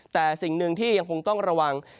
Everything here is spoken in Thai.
แต่สิ่งหนึ่งที่ยังคงต้องระวัง